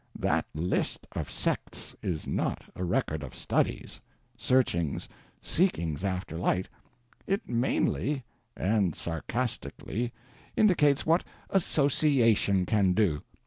That list of sects is not a record of studies, searchings, seekings after light; it mainly (and sarcastically) indicates what _association _can do.